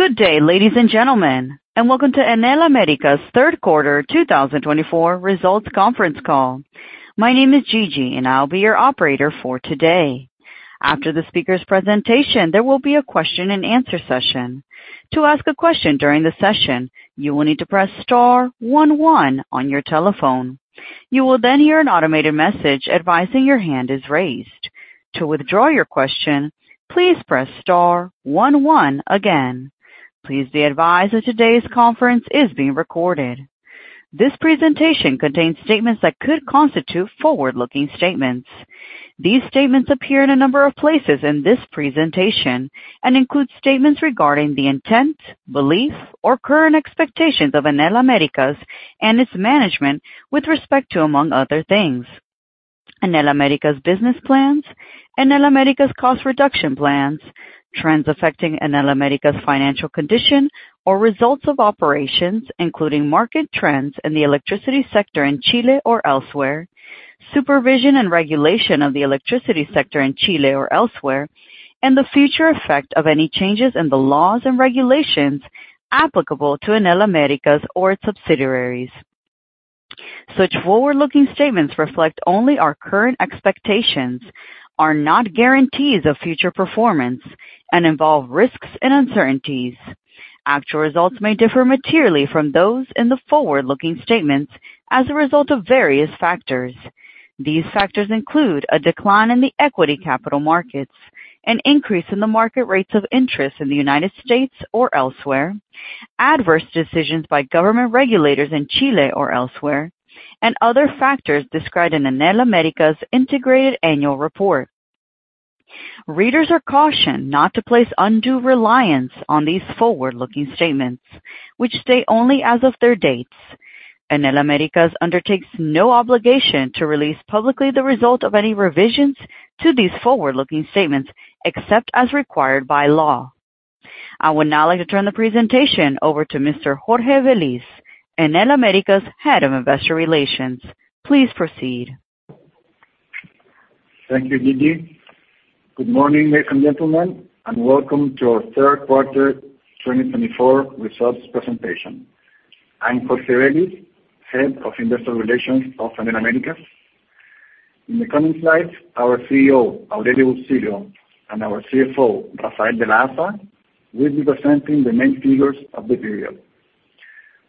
Good day, ladies and gentlemen, and welcome to Enel Américas third quarter 2024 results conference call. My name is Gigi and I'll be your operator for today. After the speaker's presentation, there will be a question-and-answer session. To ask a question during the session, you will need to press star one one on your telephone. You will then hear an automated message advising your hand is raised. To withdraw your question, please press star one one again. Please be advised that today's conference is being recorded. This presentation contains statements that could constitute forward-looking statements. These statements appear in a number of places in this presentation and include statements regarding the intent, belief, or current expectations of Enel Américas and its management with respect to, among other things, Enel Américas business plans, Enel Américas cost reduction plans, trends affecting Enel Américas financial condition or results of operations, including market trends in the electricity sector in Chile or elsewhere, supervision and regulation of the electricity sector in Chile or elsewhere, and the future effect of any changes in the laws and regulations applicable to Enel Américas or its subsidiaries. Such forward-looking statements reflect only our current expectations, are not guarantees of future performance, and involve risks and uncertainties. Actual results may differ materially from those in the forward-looking statements as a result of various factors. These factors include a decline in the equity capital markets an increase in the market rates of interest in the United States or elsewhere, adverse decisions by government regulators in Chile or elsewhere, and other factors described in Enel Américas Integrated Annual Report. Readers are cautioned not to place undue reliance on these forward-looking statements, which speak only as of their dates. Enel Américas undertakes no obligation to release publicly the result of any revisions to these forward-looking statements, except as required by law. I would now like to turn the presentation over to Mr. Jorge Velis, Enel Américas Head of Investor Relations. Please proceed. Thank you, Gigi. Good morning, ladies and gentlemen, and welcome to our third quarter 2024 results presentation. I'm Jorge Velis, Head of Investor Relations of Enel Américas. In the coming slides, our CEO, Aurelio Bustilho, and our CFO, Rafael de la Haza, will be presenting the main figures of the period.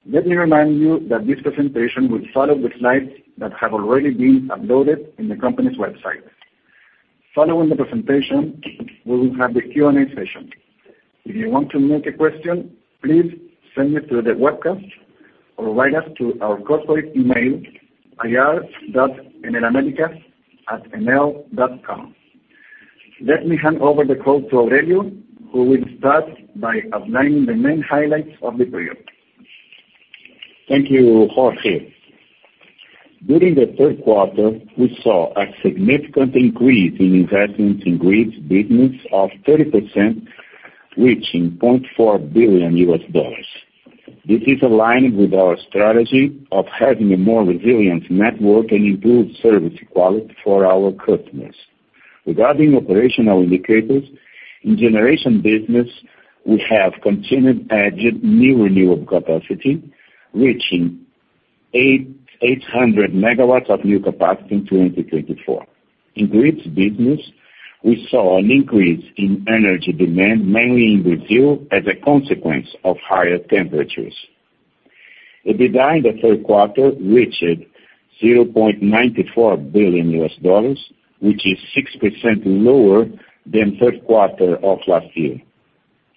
Let me remind you that this presentation will follow the slides that have already been uploaded in the company's website. Following the presentation, we will have the Q&A session. If you want to ask a question, please send it to the webcast or write to us at our corporate email, ir.enelamericas@enel.com. Let me hand over the call to Aurelio, who will start by outlining the main highlights of the period. Thank you, Jorge. During the third quarter, we saw a significant increase in investments in grids business of 30%, reaching $0.4 billion. This is aligned with our strategy of having a more resilient network and improved service quality for our customers. Regarding operational indicators in generation business, we have continued to add new renewable capacity, reaching 8,800 MW of new capacity in 2024. In grids business, we saw an increase in energy demand mainly in Brazil, as a consequence of higher temperatures. EBITDA in the third quarter reached $0.94 billion, which is 6% lower than third quarter of last year.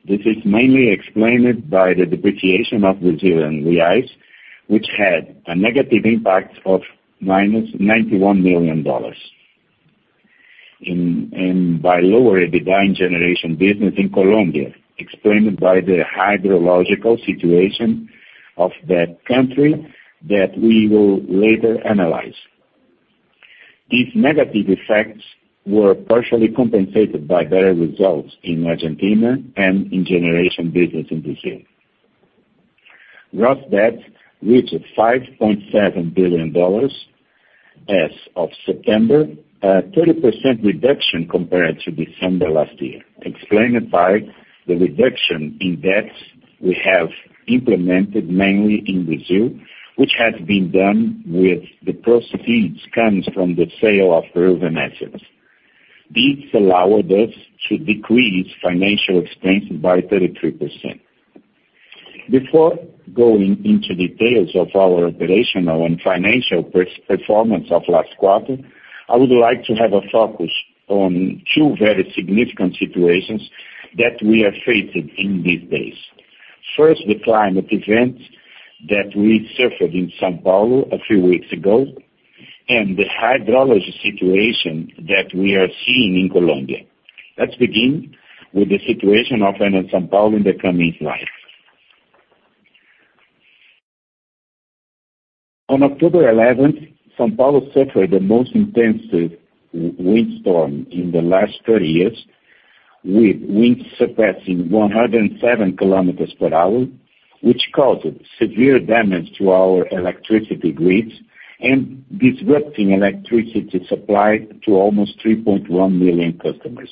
This is mainly explained by the depreciation of Brazilian reais which had a negative impact of -$91 million. Lower EBITDA in generation business in Colombia explained by the hydrological situation of that country that we will later analyze. These negative effects were partially compensated by better results in Argentina and in generation business in Brazil. Gross debt reached $5.7 billion as of September, 30% reduction compared to December last year, explained by the reduction in debts we have implemented mainly in Brazil, which has been done with the proceeds from the sale of relevant assets. This allowed us to decrease financial expense by 33%. Before going into details of our operational and financial performance of last quarter, I would like to have a focus on two very significant situations that we are facing in these days. First, the climate event that we suffered in São Paulo a few weeks ago and the hydrology situation that we are seeing in Colombia. Let's begin with the situation of São Paulo in the coming slides. On October 11, São Paulo suffered the most intensive windstorm in the last 30 years, with winds surpassing 107 km per hour, which caused severe damage to our electricity grids and disrupting electricity supply to almost 3.1 million customers.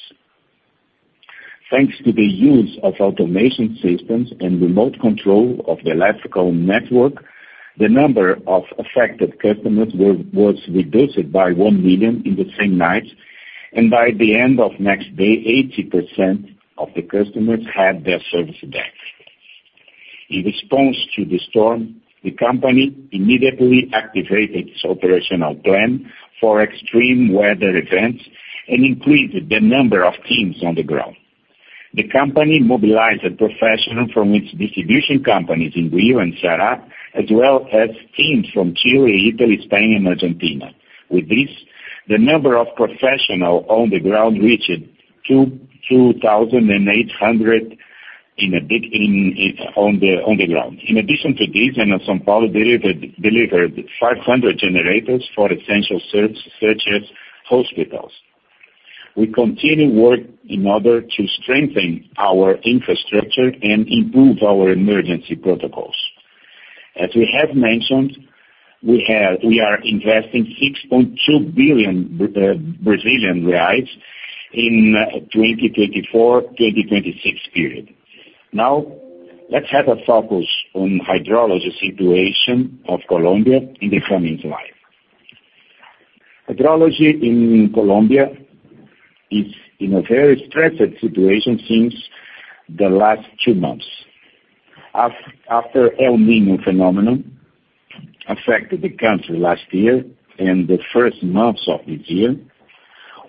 Thanks to the use of automation systems and remote control of the electrical network the number of affected customers was reduced by 1 million in the same night, and by the end of next day, 80% of the customers had their service back. In response to the storm, the company immediately activated its operational plan for extreme weather events and increased the number of teams on the ground. The company mobilized professionals from its distribution companies in Rio and Ceará, as well as teams from Chile, Italy, Spain, and Argentina. With this, the number of professionals on the ground reached 2,800. In addition to this São Paulo delivered 500 generators for essential services such as hospitals. We continue work in order to strengthen our infrastructure and improve our emergency protocols. As we have mentioned we are investing 6.2 billion Brazilian reais in 2024-2026 period. Now, let's have a focus on hydrology situation of Colombia in the coming slide. Hydrology in Colombia is in a very stressed situation since the last two months. After El Niño phenomenon affected the country last year and the first months of this year,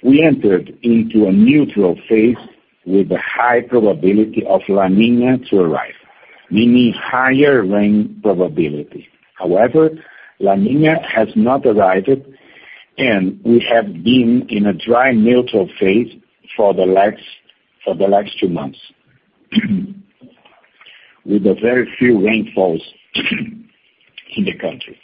we entered into a neutral phase with high probability of La Niña to arrive, meaning higher rain probability. However, La Niña has not arrived, and we have been in a dry neutral phase for the last two months with a very few rainfalls in the country.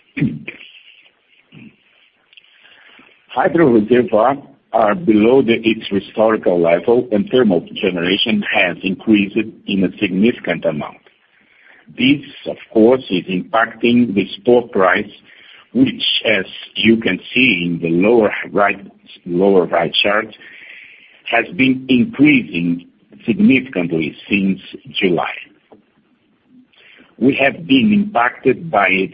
Hydro reservoir are below its historical level, and thermal generation has increased in a significant amount. This, of course, is impacting the spot price, which as you can see in the lower right chart has been increasing significantly since July. We have been impacted by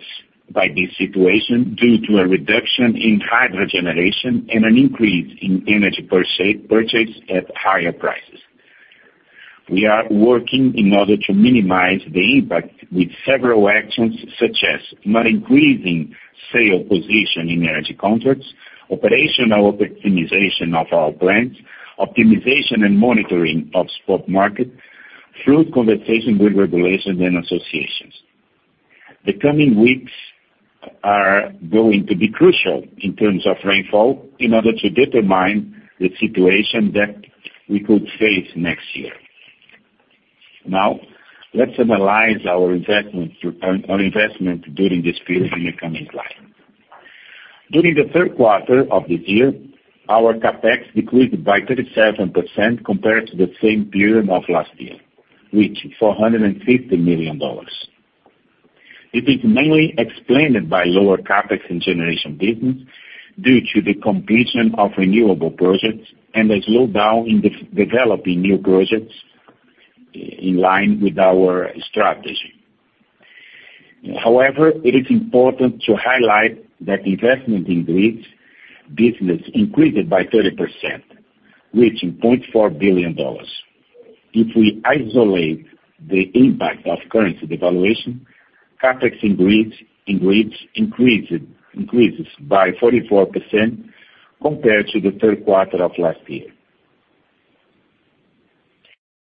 this situation due to a reduction in hydro generation an increase in energy purchase at higher prices. We are working in order to minimize the impact with several actions, such as not increasing sale position in energy contracts, operational optimization of our plants, optimization and monitoring of spot market through conversations with regulations and associations. The coming weeks are going to be crucial in terms of rainfall in order to determine the situation that we could face next year. Now, let's analyze our investment during this period in the coming slide. During the third quarter of this year, our CapEx decreased by 37% compared to the same period of last year, reaching $450 million. It is mainly explained by lower CapEx in generation business due to the completion of renewable projects and a slowdown in developing new projects in line with our strategy. However, it is important to highlight that investment in grids business increased by 30%, reaching $0.4 billion. If we isolate the impact of currency devaluation, CapEx in grids increased by 44% compared to the third quarter of last year.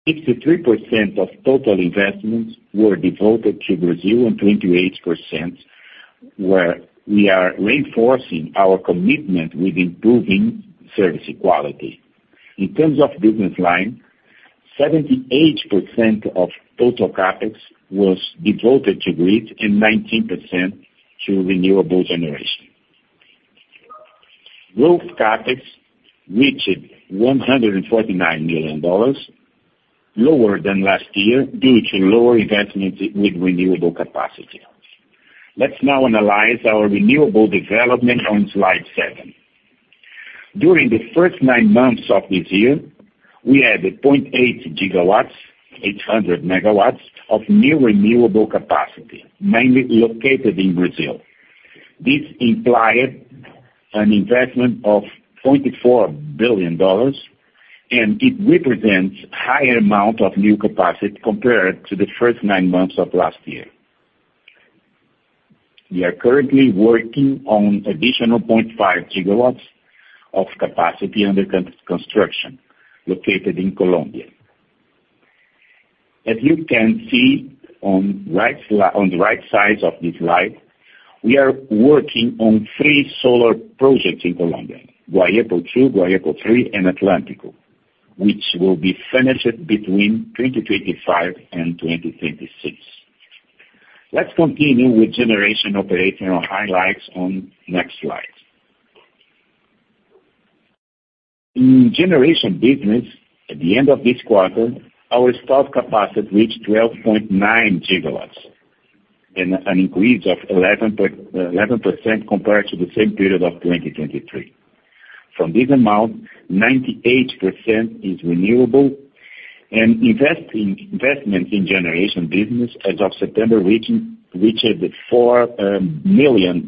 63% of total investments were devoted to Brazil and 28% were where we are reinforcing our commitment to improving service quality. In terms of business line, 78% of total CapEx was devoted to grid and 19% to renewable generation. Growth CapEx reached $149 million, lower than last year due to lower investment in renewable capacity. Let's now analyze our renewable development on slide seven. During the first nine months of this year, we had 0.8 GW, 800 MW of new renewable capacity, mainly located in Brazil. This implied an investment of $24 billion, and it represents higher amount of new capacity compared to the first nine months of last year. We are currently working on additional 0.5 GW of capacity under construction located in Colombia. As you can see on the right side of this slide, we are working on three solar projects in Colombia, Guayepo II, Guayepo III, and Atlantico, which will be finished between 2025 and 2026. Let's continue with generation operational highlights on next slide. In generation business, at the end of this quarter, our installed capacity reached 12.9 GW an increase of 11% compared to the same period of 2023. From this amount, 98% is renewable and investment in generation business as of September reached $400 million.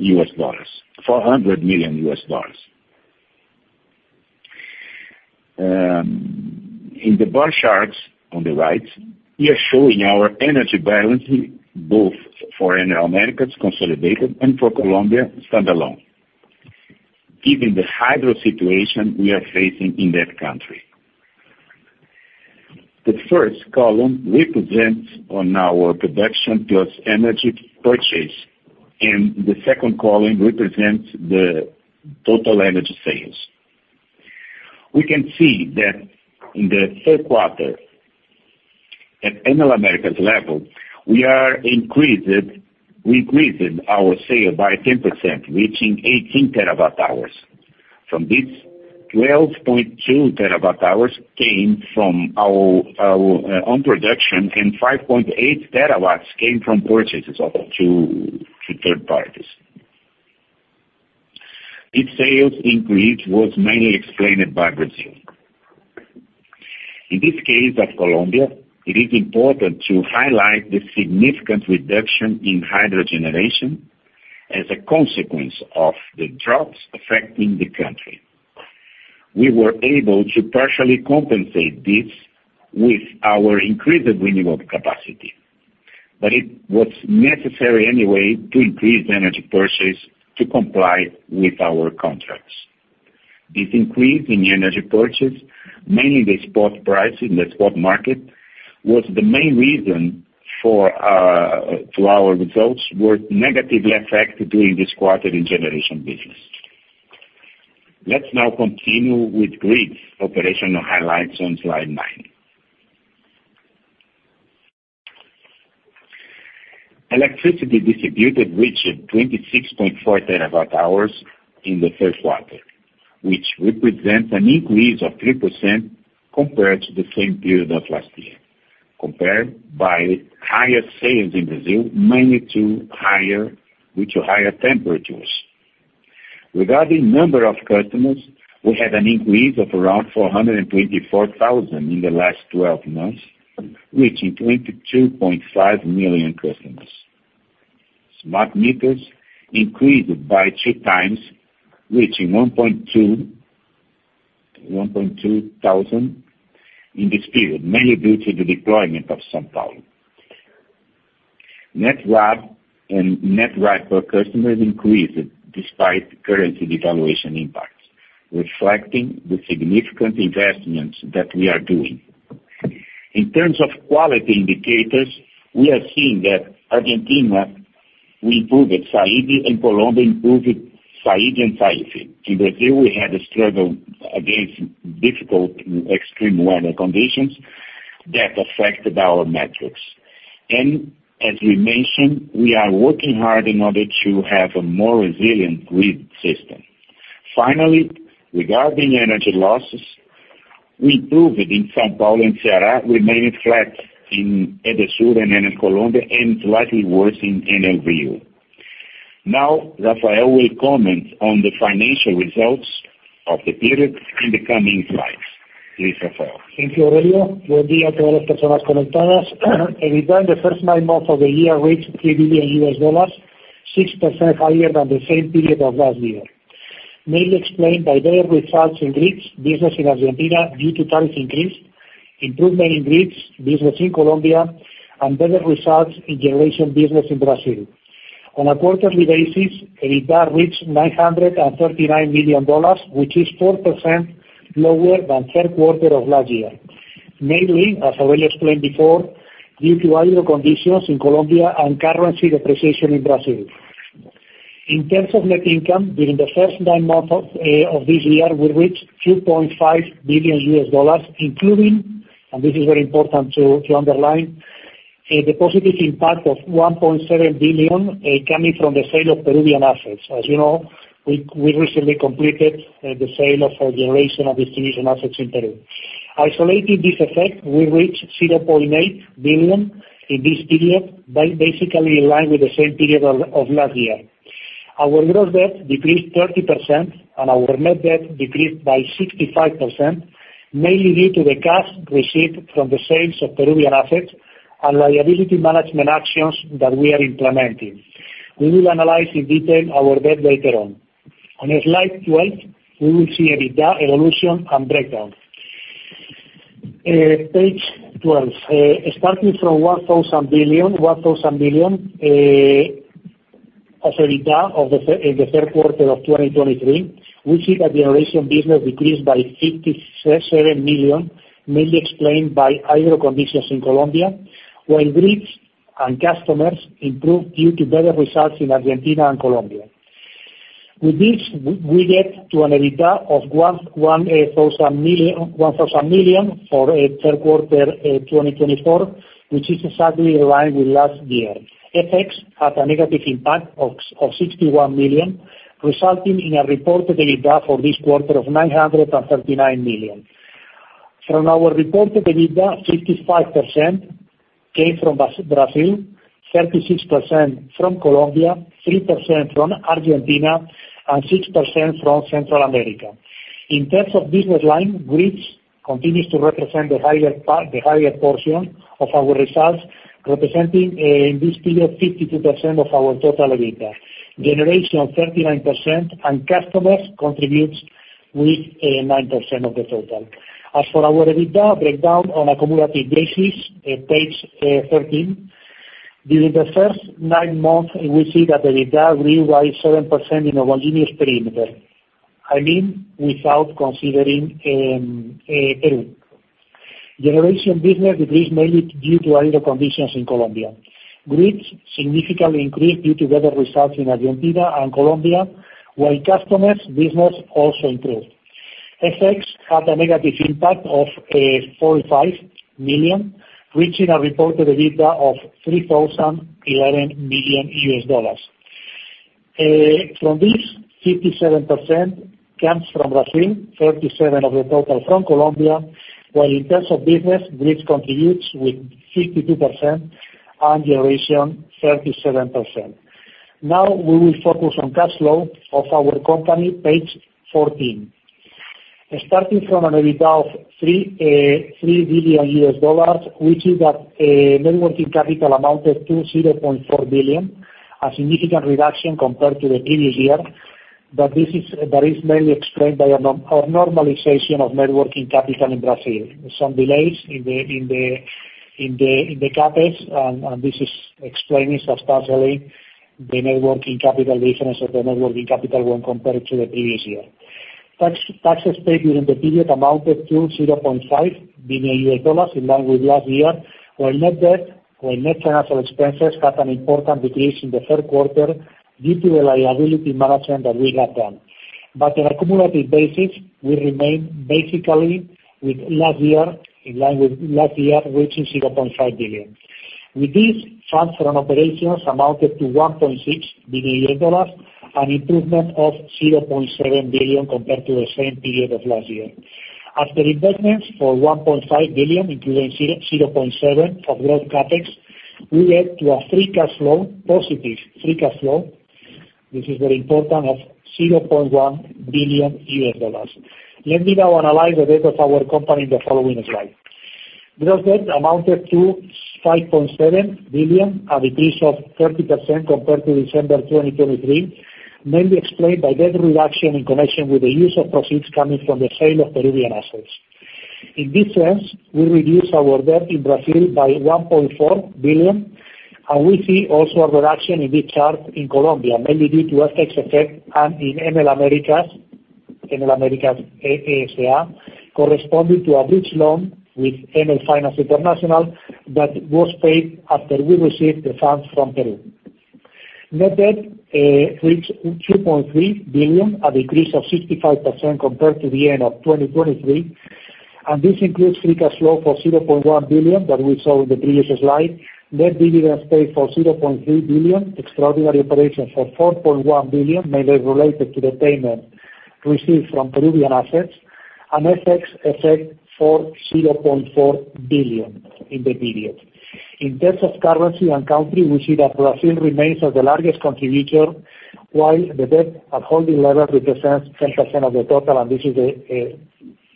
In the bar charts on the right, we are showing our energy balance both for Enel Américas consolidated and for Colombia standalone, given the hydro situation we are facing in that country. The first column represents our production plus energy purchase, and the second column represents the total energy sales. We can see that in the third quarter, at Enel Américas level, we increased our sales by 10%, reaching 18 TW hours. From this, 12.2 TW hours came from our own production, and 5.8 TW hours came from purchases to third parties. Its sales increase was mainly explained by Brazil. In this case of Colombia, it is important to highlight the significant reduction in hydro generation as a consequence of the droughts affecting the country. We were able to partially compensate this with our increased renewable capacity, but it was necessary anyway to increase energy purchase to comply with our contracts. This increase in energy purchase, mainly the spot price in the spot market, was the main reason our results were negatively affected during this quarter in generation business. Let's now continue with grids operational highlights on slide nine. Electricity distributed reached 26.4 TW hours in the first quarter, which represents an increase of 3% compared to the same period of last year, compared by higher sales in Brazil, mainly due to higher temperatures. Regarding number of customers, we had an increase of around 424,000 in the last 12 months reaching 22.5 million customers. Smart meters increased by two times, reaching 1.2 thousand in this period, mainly due to the deployment of São Paulo. Net RAB and net RAB per customers increased despite currency devaluation impacts, reflecting the significant investments that we are doing. In terms of quality indicators, we are seeing that Argentina will improve its SAIDI, and Colombia improved its SAIDI and SAIFI. In Brazil, we had a struggle against difficult extreme weather conditions that affected our metrics. As we mentioned, we are working hard in order to have a more resilient grid system. Finally, regarding energy losses, we improved it in São Paulo and Ceará. We made it flat in Edesur and Enel Colombia, and slightly worse in [Enel Brasil]. Now, Rafael will comment on the financial Results of the period in the coming slides. Please, Rafael. Thank you, Aurelio. Good day. EBITDA in the first nine months of the year reached $3 billion, 6% higher than the same period of last year. Mainly explained by better results in grids business in Argentina due to tariff increase, improvement in grids business in Colombia, and better results in generation business in Brazil. On a quarterly basis, EBITDA reached BRL 939 million, which is 4% lower than third quarter of last year. Mainly, as Aurelio explained before, due to higher concessions in Colombia and currency depreciation in Brazil. In terms of net income, during the first nine months of this year, we reached $2.5 billion, including, and this is very important to underline, the positive impact of 1.7 billion coming from the sale of Peruvian assets. As you know, we recently completed the sale of our generation and distribution assets in Peru. Isolating this effect, we reached 0.8 billion in this period basically in line with the same period of last year. Our gross debt decreased 30% and our net debt decreased by 65%, mainly due to the cash received from the sales of Peruvian assets and liability management actions that we are implementing. We will analyze in detail our debt later on. On slide 12, we will see EBITDA evolution and breakdown. Page 12. Starting from 1 billion as EBITDA of the third quarter of 2023, we see that generation business decreased by 57 million, mainly explained by higher conditions in Colombia, while grids and customers improved due to better results in Argentina and Colombia. With this, we get to an EBITDA of 1,000 million for third quarter 2024, which is exactly in line with last year. FX had a negative impact of 61 million, resulting in a reported EBITDA for this quarter of 939 million. From our reported EBITDA, 55% came from Brazil, 36% from Colombia, 3% from Argentina, and 6% from Central America. In terms of business line, grids continues to represent the highest the highest portion of our results, representing in this period 52% of our total EBITDA. Generation, 39%, and customers contributes with 9% of the total. As for our EBITDA breakdown on a cumulative basis it takes 13 during the first nine months, we see that the EBITDA grew by 7% in a homogeneous perimeter, I mean, without considering Peru. Generation business decreased mainly due to hydro conditions in Colombia. Grids significantly increased due to better results in Argentina and Colombia, while customers business also improved. FX had a negative impact of 45 million, reaching a reported EBITDA of $3,011 million. From this, 57% comes from Brazil, 37% of the total from Colombia, while in terms of business, grids contributes with 52% and generation 37%. Now we will focus on cash flow of our company, page 14. Starting from an EBITDA of $3 billion, we see that net working capital amounted to $0.4 billion, a significant reduction compared to the previous year. That is mainly explained by a normalization of net working capital in Brazil. Some delays in the CapEx, and this is explaining substantially the net working capital difference or the net working capital when compared to the previous year. Taxes paid during the period amounted to $0.5 billion, in line with last year, while net debt or net financial expenses had an important decrease in the third quarter due to the liability management that we have done. On a cumulative basis, we remain basically with last year, in line with last year, reaching $0.5 billion. With this, funds from operations amounted to $1.6 billion, an improvement of $0.7 billion compared to the same period of last year. After investments for $1.5 billion, including zero point seven of gross CapEx, we went to a free cash flow, positive free cash flow, which is very important, of $0.1 billion. Let me now analyze the debt of our company in the following slide. Gross debt amounted to $5.7 billion, a decrease of 30% compared to December 2023, mainly explained by debt reduction in connection with the use of proceeds coming from the sale of Peruvian assets. In this sense, we reduced our debt in Brazil by $1.4 billion, and we see also a reduction in this chart in Colombia, mainly due to FX effect and in Enel Américas, Enel Américas S.A., corresponding to a bridge loan with Enel Finance International that was paid after we received the funds from Peru. Net debt reached 2.3 billion, a decrease of 65% compared to the end of 2023, and this includes free cash flow for 0.1 billion that we saw in the previous slide, net dividends paid for 0.3 billion, extraordinary operations for 4.1 billion, mainly related to the payment received from Peruvian assets, and FX effect for 0.4 billion in the period. In terms of currency and country, we see that Brazil remains as the largest contributor, while the debt at holding level represents 10% of the total, and this is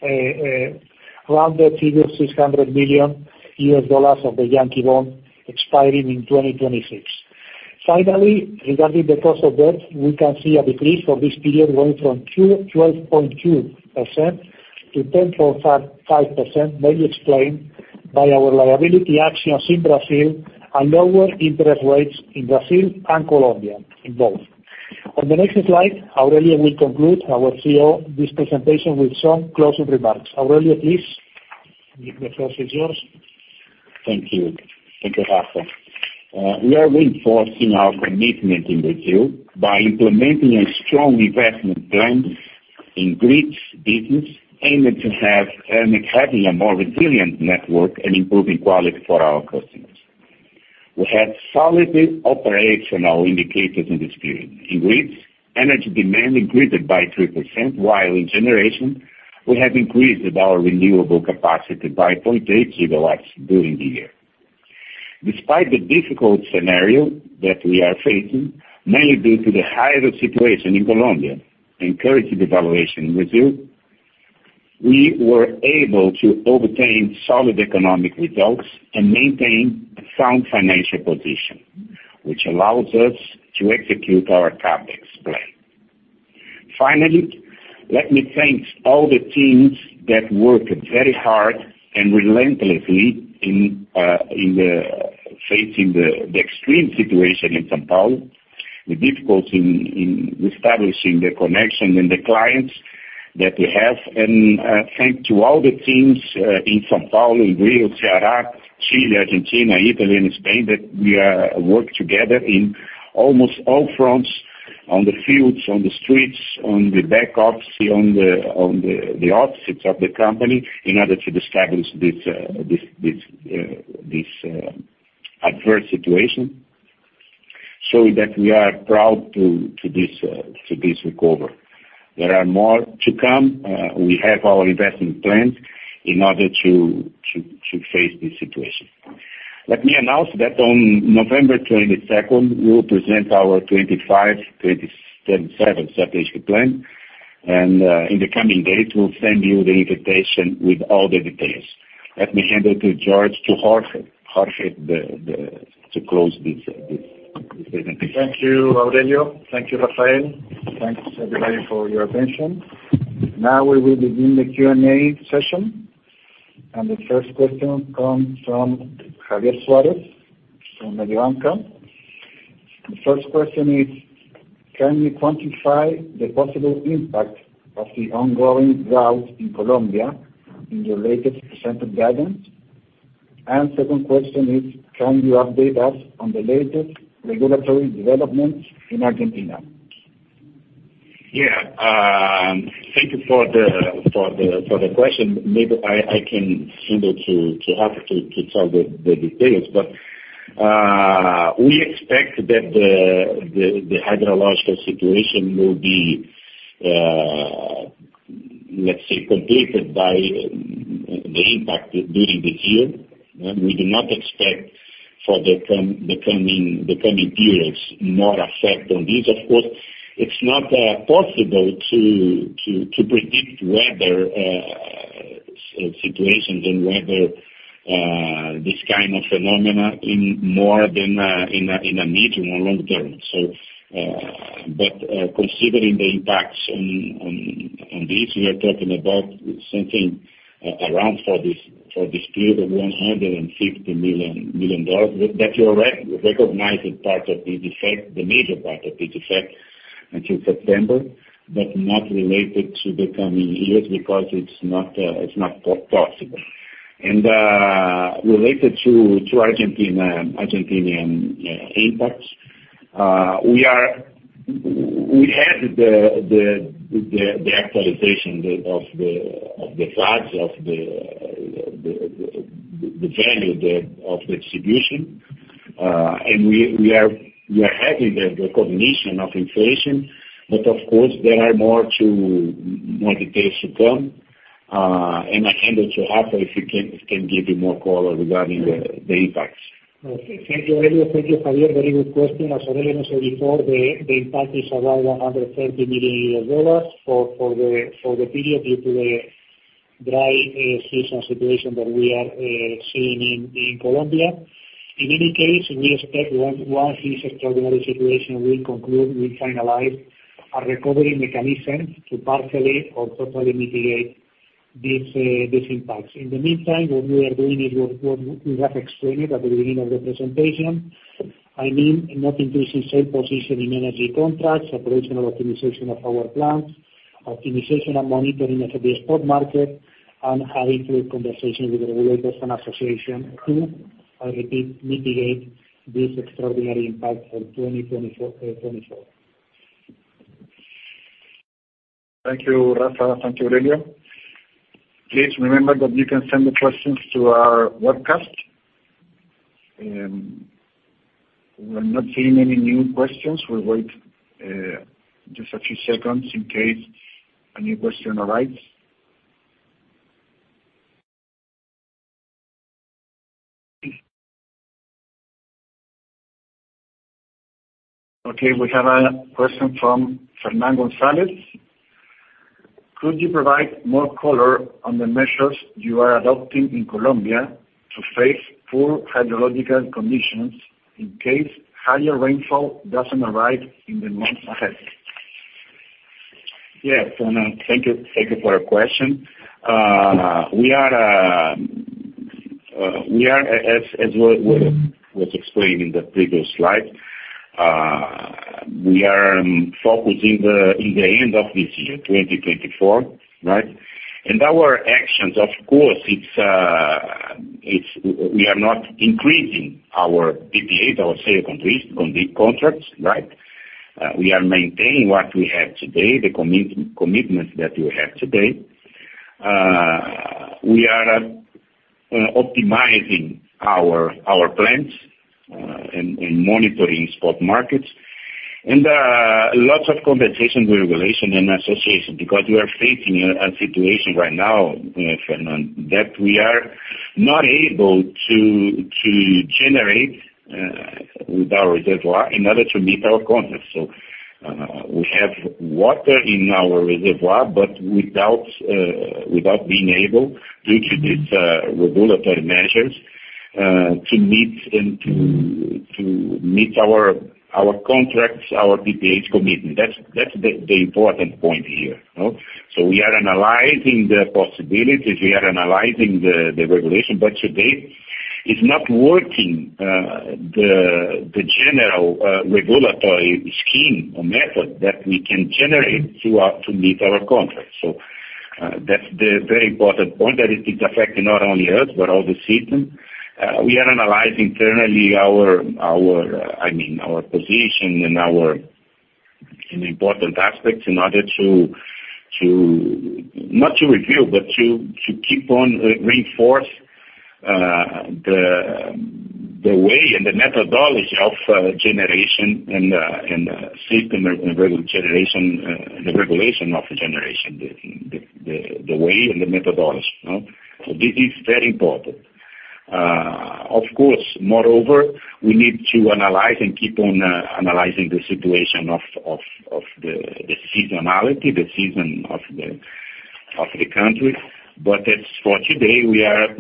a rounded figure, $600 million of the Yankee bond expiring in 2026. Finally, regarding the cost of debt, we can see a decrease for this period going from 12.2%-10.5%, mainly explained by our liability actions in Brazil and lower interest rates in Brazil and Colombia, in both. On the next slide, Aurelio will conclude, our CEO, this presentation with some closing remarks. Aurelio, please. The floor is yours. Thank you. Thank you, Rafa. We are reinforcing our commitment in Brazil by implementing a strong investment plan in grids business, aiming to have a more resilient network and improving quality for our customers. We have solid operational indicators in this period. In grids, energy demand increased by 3%, while in generation, we have increased our renewable capacity by 0.8 GW during the year. Despite the difficult scenario that we are facing, mainly due to the higher situation in Colombia and currency devaluation in Brazil, we were able to obtain solid economic results and maintain a sound financial position, which allows us to execute our CapEx plan. Finally, let me thank all the teams that worked very hard and relentlessly in facing the extreme situation in São Paulo, the difficulty in reestablishing the connection and the clients that we have. Thanks to all the teams in São Paulo, in Rio, Ceará, Chile, Argentina, Italy, and Spain that we work together in almost all fronts, on the fields, on the streets, on the back office, on the offices of the company in order to establish this adverse situation. Show you that we are proud of this recovery. There are more to come. We have our investment plans in order to face this situation. Let me announce that on November 22, we will present our 2025-2027 strategic plan. In the coming days, we'll send you the invitation with all the details. Let me hand it to Jorge to close this presentation. Thank you, Aurelio. Thank you, Rafael. Thanks, everybody for your attention. Now we will begin the Q&A session. The first question comes from Javier Suárez from Mediobanca. First question is can you quantify the possible impact of the ongoing drought in Colombia and your latest percentage guidance? And second question is can you update us on the latest regulatory development in Argentina? Thank you for the question. Maybe I can send it to Rafael to tell the details. We expect that the hydrological situation will be, let's say, completed by the impact during this year. We do not expect for the coming periods more effect on this. Of course, it's not possible to predict weather situations and weather this kind of phenomena in more than a medium or long term. Considering the impacts on this, we are talking about something around for this period of $150 million. We are re-recognizing part of this effect the major part of this effect until September, but not related to the coming years because it's not possible. Related to Argentina, Argentinian impacts, we had the actualization of the lags of the value of the distribution. We are having the recognition of inflation. Of course, there are more details to come. I hand it to Rafael if he can give you more color regarding the impacts. Okay. Thank you, Aurelio. Thank you, Javier. Very good question. As Aurelio mentioned before, the impact is around $130 million for the period due to the dry season situation that we are seeing in Colombia. In any case, we expect once this extraordinary situation will conclude, we finalize our recovery mechanism to partially or totally mitigate these impacts. In the meantime, what we are doing is what we have explained at the beginning of the presentation. I mean, not increasing sale position in energy contracts, operational optimization of our plants, optimization and monitoring of the spot market, and high-level conversation with the regulators and association to, I repeat, mitigate this extraordinary impact for 2024. Thank you, Rafa. Thank you, Aurelio. Please remember that you can send the questions to our webcast. We're not seeing any new questions. We'll wait just a few seconds in case a new question arrives. Okay, we have a question from Fernando González. Could you provide more color on the measures you are adopting in Colombia to face poor hydrological conditions in case higher rainfall doesn't arrive in the months ahead? Yeah. Fernando, thank you. Thank you for your question. We are, as was explained in the previous slide. We are focusing in the end of this year, 2024, right? Our actions, of course, it's we are not increasing our PPAs, our sales contracts, right? We are maintaining what we have today, the commitment that we have today. We are optimizing our plants and monitoring spot markets. Lots of conversations with regulators and associations because we are facing a situation right now, you know, Fernando González, that we are not able to generate with our reservoir in order to meet our contracts. We have water in our reservoir, but without being able due to these regulatory measures to meet our contracts, our PPA commitment. That's the important point here, no? We are analyzing the possibilities, we are analyzing the regulation. But today it's not working, the general regulatory scheme or method that we can generate to meet our contracts. That's the very important point, that it is affecting not only us, but all the system. We are analyzing internally our, I mean, our position and our. An important aspect in order to keep on reinforce the way and the methodology of generation and safe and reliable regulation, the regulation of the generation, the way and the methodology, you know. This is very important. Of course, moreover, we need to analyze and keep on analyzing the situation of the seasonality, the season of the country. As for today, we are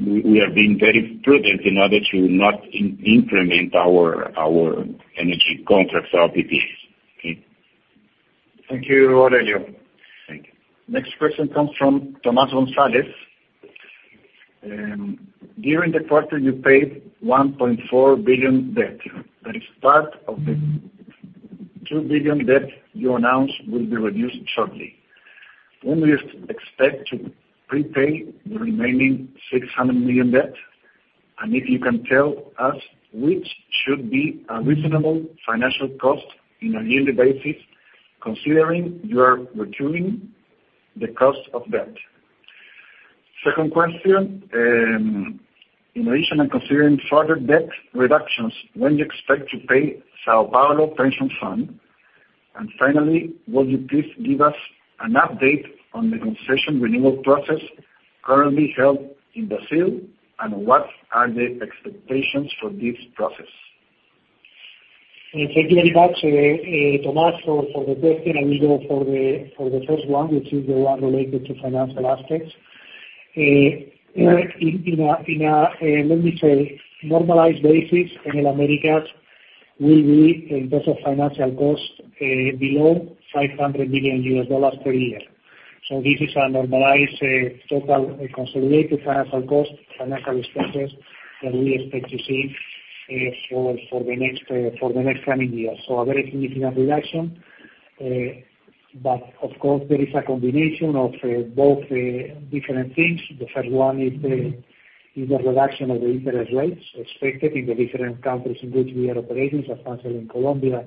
being very prudent in order to not implement our energy contracts or PPAs. Okay. Thank you, Aurelio. Thank you. Next question comes from Tomás González. During the quarter you paid 1.4 billion debt. That is part of the 2 billion debt you announced will be reduced shortly. When do you expect to prepay the remainng 600 million debt? And if you can tell us which should be a reasonable financial cost in a yearly basis considering you are recurring the cost of debt. Second question, in addition and considering further debt reductions, when do you expect to pay São Paulo pension fund? And finally, would you please give us an update on the concession renewal process currently held in Brazil, and what are the expectations for this process? Thank you very much, Tomás, for the question. I will go for the first one, which is the one related to financial aspects. In a, let me say, normalized basis, Enel Américas will be in terms of financial cost below $500 million per year. This is a normalized total consolidated financial cost, financial expenses that we expect to see for the next coming years. A very significant reduction. Of course there is a combination of both different things. The first one is the reduction of the interest rates expected in the different countries in which we are operating, substantially in Colombia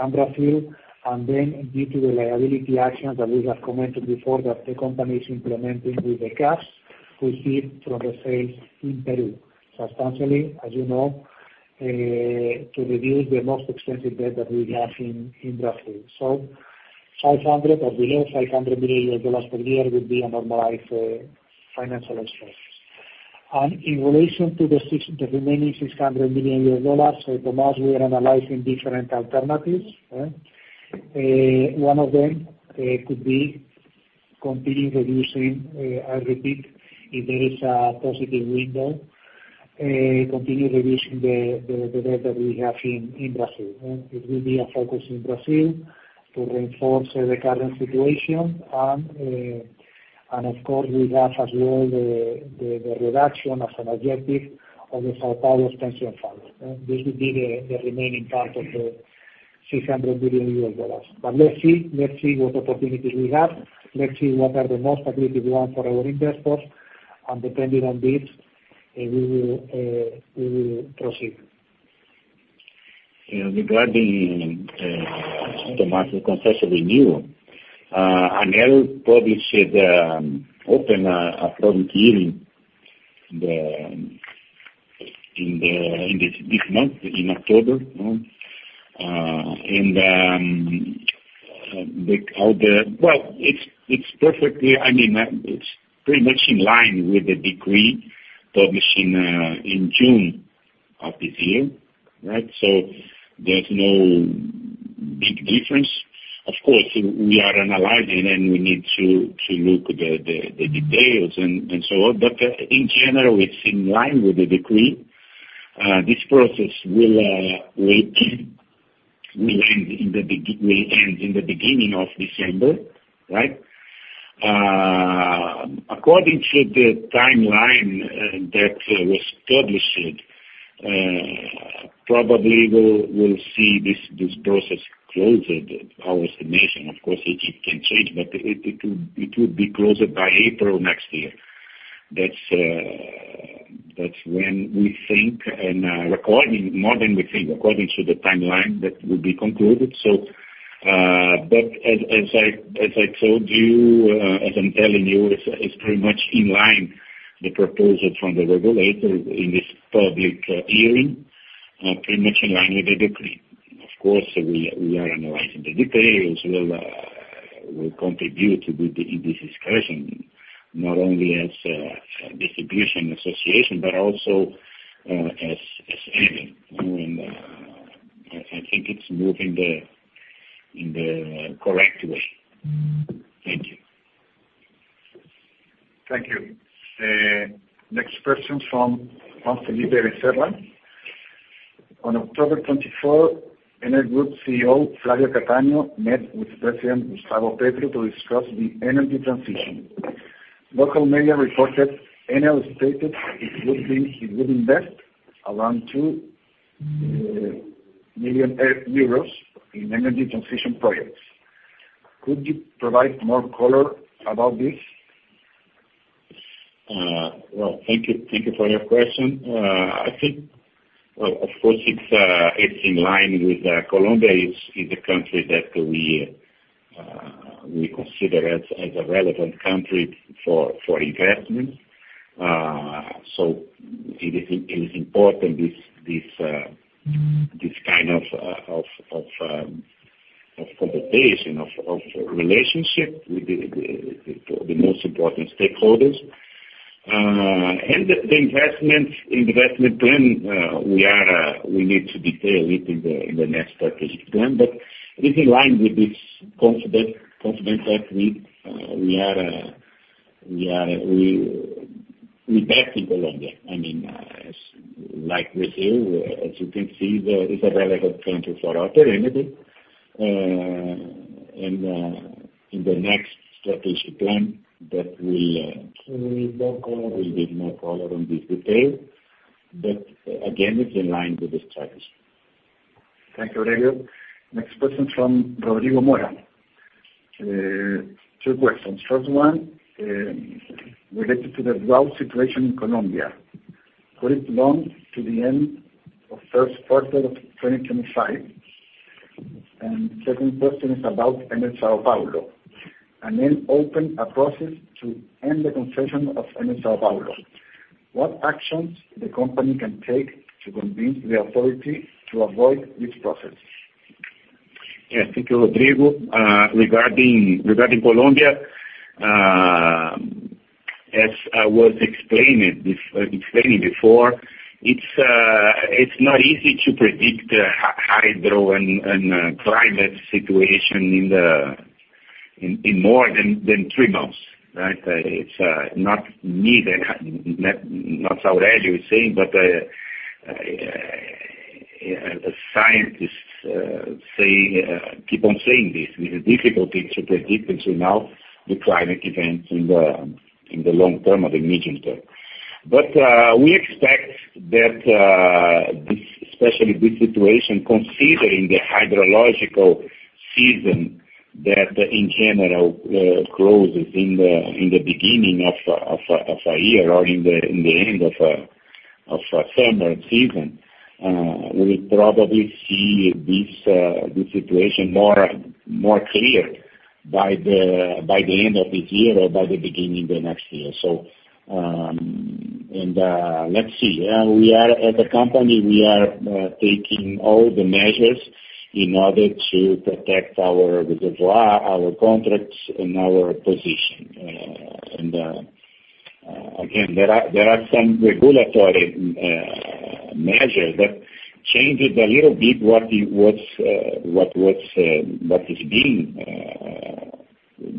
and Brazil. Due to the liability actions that we have commented before that the company is implementing with the cash we received from the sales in Peru, substantially, as you know, to reduce the most expensive debt that we have in Brazil. $500 million or below $500 million per year will be a normalized financial expenses. In relation to the remaining $600 million, for us we are analyzing different alternatives, all right? One of them could be continue reducing, I repeat, if there is a positive window, continue reducing the debt that we have in Brazil, all right? It will be our focus in Brazil to reinforce the current situation. Of course we have as well the reduction as an objective of the São Paulo pension fund, all right? This will be the remaining part of the $600 million. Let's see what opportunities we have. Let's see what are the most attractive ones for our investors. Depending on this, we will proceed. You know, regarding Tomás's concession renewal, ANEEL published the open public hearing in this month, in October, no well, it's perfectly i mean, it's pretty much in line with the decree published in June of this year, right? There's no big difference. Of course, we are analyzing, and we need to look the details and so on, but in general, it's in line with the decree. This process will end in the beginning of December, right? According to the timeline that was published, probably we'll see this process closed, our estimation. Of course it can change, but it would be closed by April next year. That's when we think and according to more than we think according to the timeline that will be concluded. As I told you, as I'm telling you, it's pretty much in line with the proposal from the regulator in this public hearing, pretty much in line with the decree. Of course we are analyzing the details. We'll contribute with the industry's discussion, not only as a distribution association, but also as Enel, you know. I think it's moving in the correct way. Thank you. Thank you. Next question from Juan Felipe Becerra. On October 24, Enel Group CEO Flavio Cattaneo met with President Gustavo Petro to discuss the energy transition. Local media reported Enel stated it would invest around 2 million euros in energy transition projects. Could you provide more color about this? Well, thank you. Thank you for your question. I think, well, of course, it's in line with, Colombia is a country that we consider as a relevant country for investment. So it is important this kind of competition, of relationship with the most important stakeholders. The investment plan, we need to detail it in the next strategic plan. It is in line with this confidence that we back in Colombia. I mean, as like we say, as you can see it's a relevant country for our activity. In the next strategic plan that we'll give more color on this detail. Again, it's in line with the strategy. Thank you, Aurelio. Next question from Rodrigo Godoy. Two questions. First one, related to the drought situation in Colombia. Will it last until the end of first quarter of 2025? Second question is about São Paulo. The mayor opened a process to end the concession of São Paulo. What actions the company can take to convince the authority to avoid this process? Yes, thank you, Rodrigo. Regarding Colombia, as I was explaining before, it's not easy to predict hydro and climate situation in more than three months, right? It's not me, not Aurelio, saying, but scientists keep on saying this, with the difficulty to predict until now the climate events in the long term or the medium term. We expect that this situation, especially considering the hydrological season that in general closes in the beginning of a year or in the end of a summer season, we'll probably see this situation more clear by the end of the year or by the beginning of next year. Let's see. As a company, we are taking all the measures in order to protect our reservoir, our contracts and our position. Again, there are some regulatory measures that changed a little bit what is being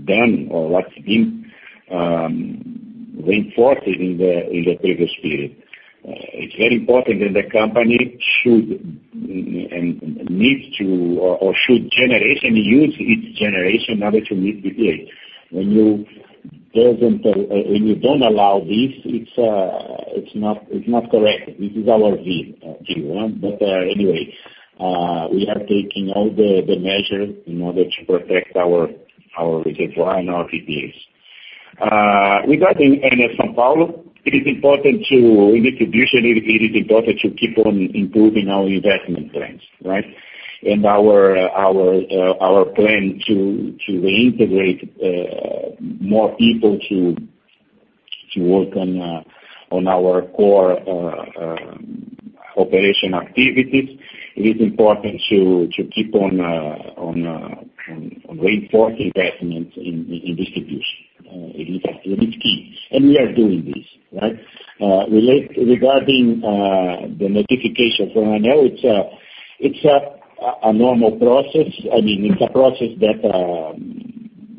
done or what's been reinforced in the previous period. It's very important that the company should and needs to or should generation use its generation in order to meet the PPA. When you don't allow this, it's not correct. This is our view. Anyway, we are taking all the measures in order to protect our reservoir and our PPAs. Regarding São Paulo, it is important in distribution to keep on improving our investment plans, right? Our plan to reintegrate more people to work on our core operation activities, it is important to keep on reinforced investments in distribution. It is key. We are doing this, right? Regarding the notification from ANEEL, it's a normal process. I mean, it's a process that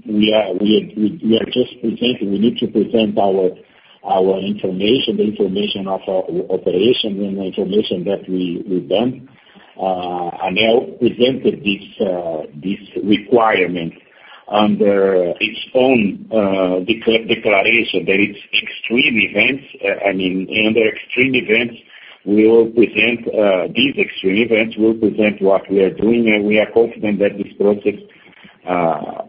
we are just presenting. We need to present our information, the information of our operation and the information that we've done. ANEEL presented this requirement under its own declaration that it's extreme events. I mean, under extreme events, we will present these extreme events. We'll present what we are doing, and we are confident that this process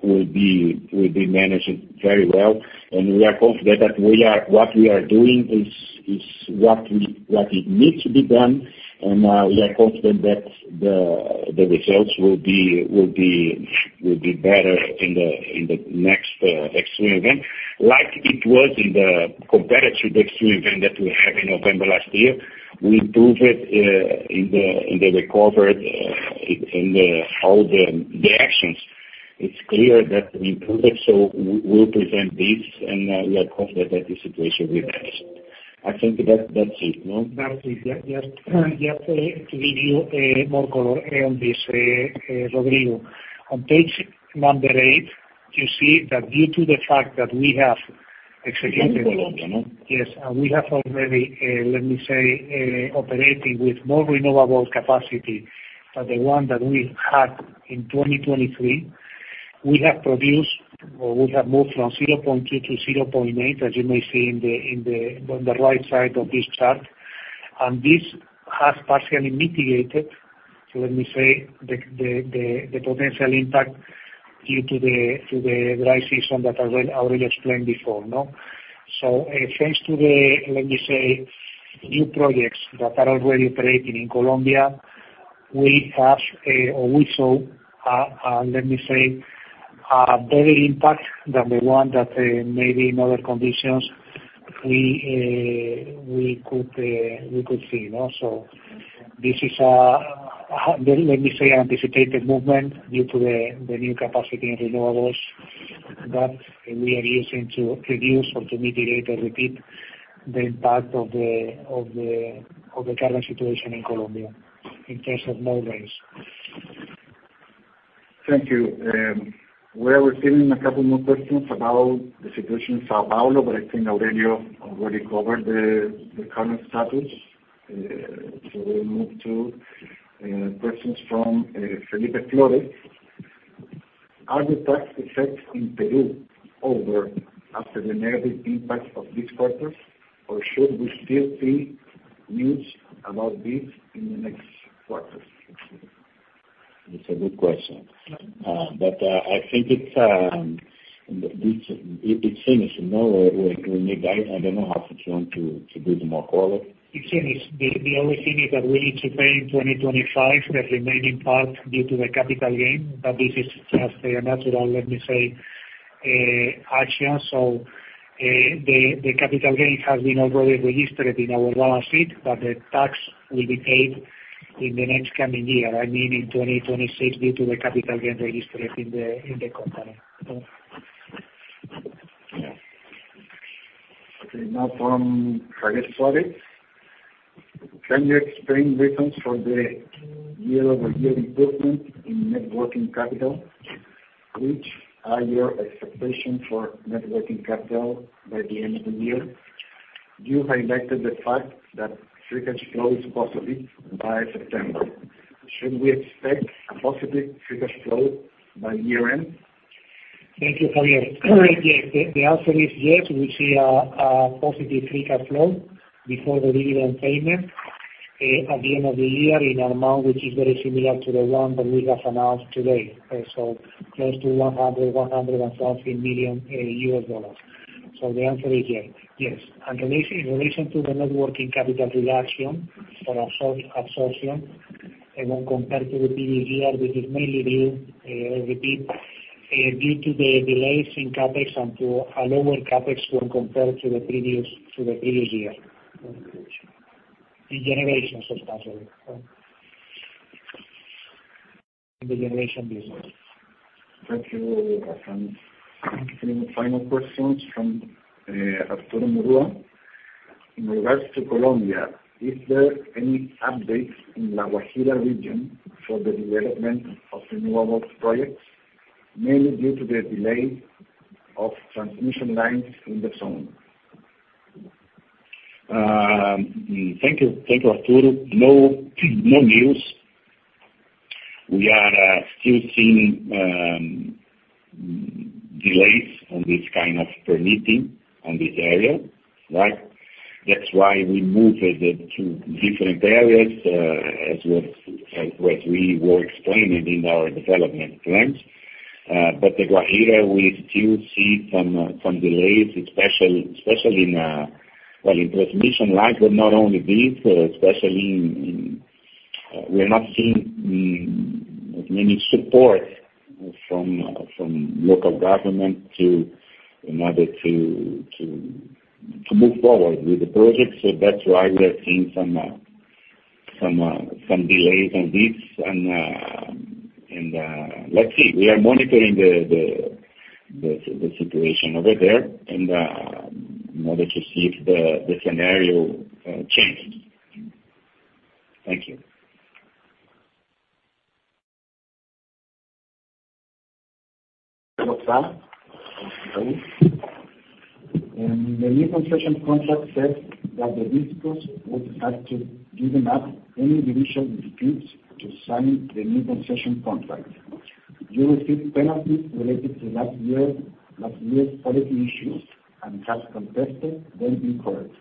will be managed very well. We are confident that what we are doing is what it needs to be done. We are confident that the results will be better in the next extreme event, like it was in the comparative extreme event that we had in November last year. We improved in the recovery in how the actions. It's clear that we improved, so we'll present this and we are confident that the situation will be addressed. I think that's it, no? That's it. Yeah. Just to give you more color on this, Rodrigo. On page number eight, you see that due to the fact that we have executed- In Colombia, no? Yes. We have already, let me say, operating with more renewable capacity than the one that we had in 2023. We have produced or we have moved from 0.2 to 0.8, as you may see on the right side of this chart. This has partially mitigated, so let me say, the potential impact due to the dry season that I already explained before, no? Thanks to the new projects that are already operating in Colombia, we saw a better impact than the one that maybe in other conditions we could see, no? This is, let me say, an anticipated movement due to the new capacity and renewables that we are using to reduce or to mitigate, I repeat, the impact of the current situation in Colombia in terms of margins. Thank you. We are receiving a couple more questions about the situation in São Paulo, but I think Aurelio already covered the current status. We'll move to questions from Felipe Flores. Are the tax effects in Peru over after the negative impact of this quarter, or should we still see news about this in the next quarters? It's a good question. I think it's finished, you know. We made that. I don't know how much you want to do the more color. It's finished. The only thing is that we need to pay in 2025 the remaining part due to the capital gain. This is just a natural, let me say, action. The capital gain has been already registered in our balance sheet, but the tax will be paid in the next coming year, I mean in 2026, due to the capital gain registered in the company. Okay. Now from Javier Suarez. Can you explain reasons for the year-over-year improvement in net working capital? Which are your expectations for net working capital by the end of the year? You highlighted the fact that free cash flow is positive by September. Should we expect a positive free cash flow by year-end? Thank you, Javier. Yes. The answer is yes. We see a positive free cash flow before the dividend payment at the end of the year in an amount which is very similar to the one that we have announced today. So close to $100 million. So the answer is yes. Yes. The reason, in relation to the net working capital reduction or absorption, when compared to the previous year, which is mainly due, I repeat, due to the delays in CapEx and to a lower CapEx when compared to the previous year. In generations, especially. In the generation business. Thank you. Final questions from Arturo Murúa. In regards to Colombia, is there any updates in La Guajira region for the development of renewables projects, mainly due to the delay of transmission lines in the zone? Thank you. Thank you, Arturo Murúa. No news. We are still seeing delays on this kind of permitting on this area, right? That's why we moved a bit to different areas, as we were explaining in our development plans. The Guajira, we still see some delays, especially in transmission lines, but not only this. We're not seeing as many support from local government in order to move forward with the project. That's why we are seeing some delays on this. Let's see. We are monitoring the situation over there in order to see if the scenario changes. Thank you. The new concession contract says that the risk was actually given up any revision disputes to sign the new concession contract. You received penalties related to last year, last year's quality issues and has contested them in court.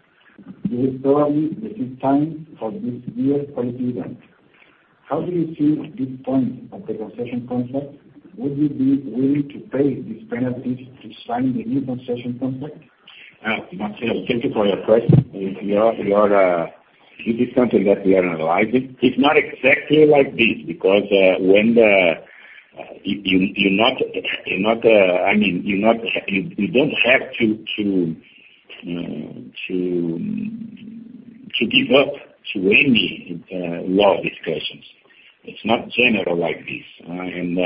You will probably receive fines for this year's quality event. How do you see this point of the concession contract? Would you be willing to pay these penalties to sign the new concession contract? Marcelo, thank you for your question. It is something that we are analyzing. It's not exactly like this because when you're not. I mean, you're not. You don't have to give in to any legal discussions. It's not general like this, and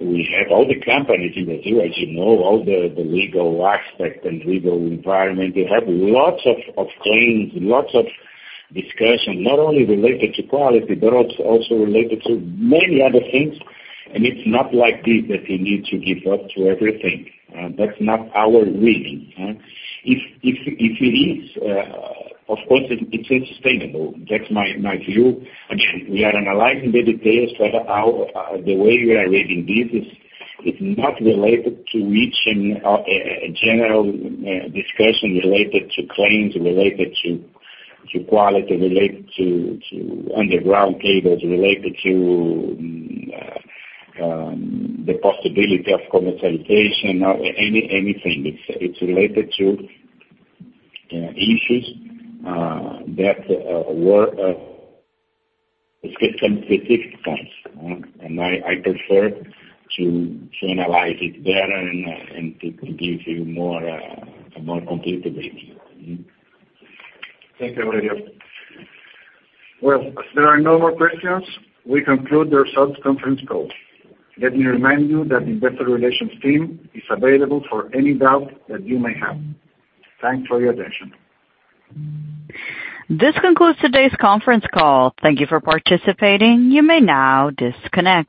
we have all the companies in Brazil, as you know, all the legal aspect and legal environment. They have lots of claims, lots of discussion, not only related to quality, but also related to many other things. It's not like this that you need to give in to everything. That's not our reading? If it is, of course it's unsustainable. That's my view. Again, we are analyzing the details, but the way we are reading this is not related to reaching a general discussion related to claims, related to quality, related to underground cables, related to the possibility of commercialization or anything. It's related to issues. Let's get some specific times, and I prefer to analyze it better and to give you a more complete view. Mm-hmm. Thank you, Aurelio. Well, as there are no more questions, we conclude the results conference call. Let me remind you that Investor Relations team is available for any doubt that you may have. Thanks for your attention. This concludes today's conference call. Thank you for participating. You may now disconnect.